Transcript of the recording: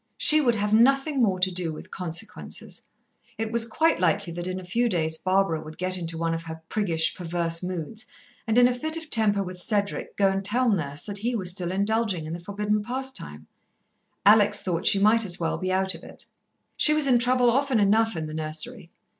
She would have nothing more to do with "Consequences." It was quite likely that in a few days Barbara would get into one of her priggish, perverse moods, and in a fit of temper with Cedric go and tell Nurse that he was still indulging in the forbidden pastime. Alex thought she might as well be out of it. She was in trouble often enough in the nursery.